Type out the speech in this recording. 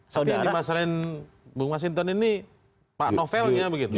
tapi yang dimasalkan bung mas hinton ini pak novelnya begitu